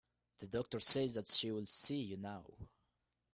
The doctor says that she will see you now.